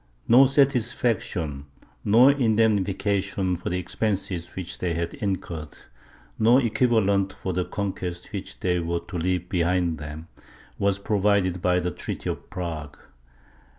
No satisfaction, no indemnification for the expenses which they had incurred, no equivalent for the conquests which they were to leave behind them, was provided by the treaty of Prague.